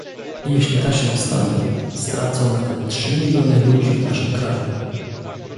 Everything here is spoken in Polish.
Jeśli tak się stanie, stracą na tym trzy miliony ludzi w naszym kraju